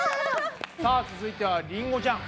さあ続いてはりんごちゃん。